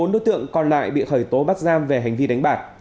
một mươi bốn đối tượng còn lại bị khởi tố bắt giam về hành vi đánh bạc